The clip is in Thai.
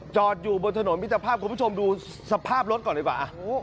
จอดอยู่บนถนนมิตรภาพคุณผู้ชมดูสภาพรถก่อนดีกว่า